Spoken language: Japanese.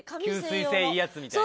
吸収性いいやつみたいな。